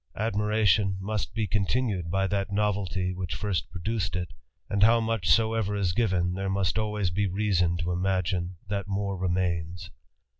Admirat must be continued by that novelty which first produced and how much soever is given, there must always be rea to imagine that more remains.